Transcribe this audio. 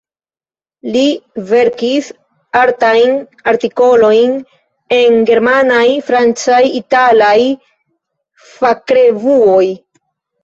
Li verkis artajn artikolojn en germanaj, francaj, italaj fakrevuoj.